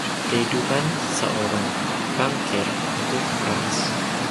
Kehidupan seorang bankir itu keras.